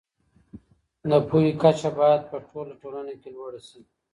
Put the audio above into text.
د پوهي کچه بايد په ټوله ټولنه کي لوړه سي.